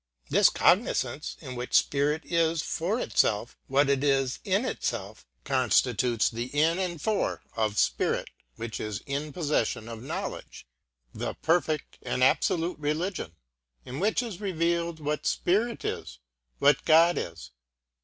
This cognisance in which spirit is for itself what it is in itself constitutes the in and for of spirit which is in possession of knowledge, the perfect and absolute religion, in which is revealed what spirit is, what God is.